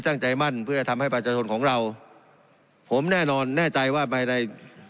ตั้งใจมั่นเพื่อทำให้ประชาชนของเราผมแน่นอนแน่ใจว่าภายใน